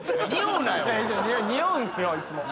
におうんすよいつも。